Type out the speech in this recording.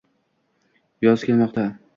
Yoz kelmoqda